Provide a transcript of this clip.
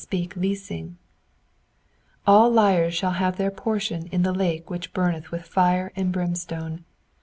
Awful doom ! All liars shall have their portion in the lake which burneth with fire and brimstone.